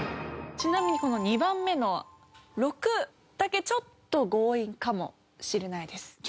ちなみにこの２番目の「６」だけちょっと強引かもしれないです。